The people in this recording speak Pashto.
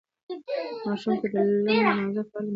ماشومانو ته د لم لمانځه په اړه معلومات ورکړئ.